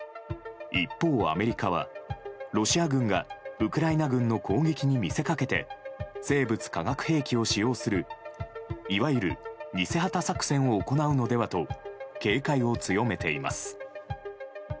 一方、アメリカは、ロシア軍がウクライナ軍の攻撃に見せかけて生物・化学兵器を使用するいわゆる偽旗作戦を行うのではと警戒を強めています。